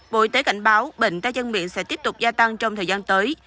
bộ y tế cảnh báo bệnh tay chân miệng sẽ tiếp tục gia tăng trong thời gian tới